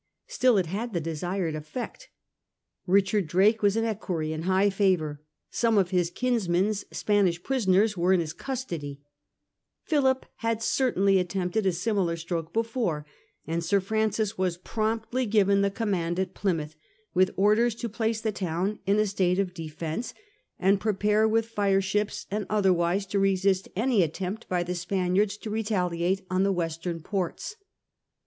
Still it had the desired effect. Richard Drake was an equerry in high favour, some of his kinsman's Spanish prisoners were in his custody, Philip had certainly attempted a similar stroke before, and Sir Francis was promptly given the command at Plymouth with orders to place the town in a state of defence and prepare with fireships and otherwise to resist any attempt by the Spaniards to retaliate on the western ports.